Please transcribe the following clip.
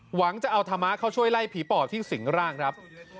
หวังจะเอาธรรมะเข้าช่วยไล่ผีปอบที่สิงร่างครับ